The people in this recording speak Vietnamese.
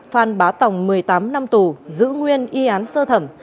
phan bá tòng một mươi tám năm tù giữ nguyên y án sơ thẩm